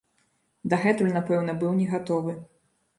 Дагэтуль, напэўна, быў негатовы.